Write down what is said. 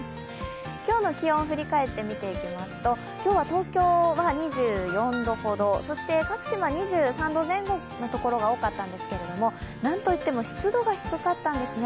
今日の気温を振り返っていくと東京は２４度ほどそして各地２３度前後のところが多かったんですけれども、なんといっても湿度が低かったんですね。